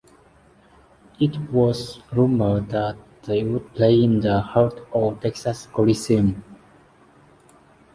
It was rumored that they would play in the Heart O' Texas Coliseum.